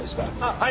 はい。